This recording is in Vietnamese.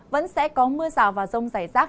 vẫn sẽ có mưa rào và rông giải rác